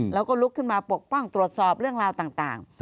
แล้วก็ลุกขึ้นมาปกป้องตรวจสอบเรื่องราวต่าง